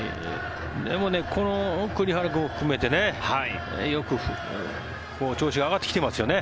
でも、この栗原君も含めて調子が上がってきてますよね。